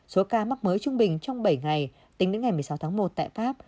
số ca mắc mới trung bình trong bảy ngày tính đến ngày một mươi sáu tháng một tại pháp